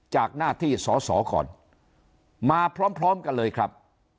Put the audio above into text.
จากหน้าที่สอสอก่อนมาพร้อมกันเลยครับ